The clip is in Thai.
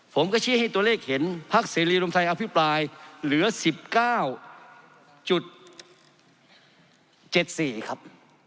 ผมก็ชี้ให้ตัวเลขเห็นพักเสรีรวมไทยอภิปรายเหลือ๑๙๗๔ครับ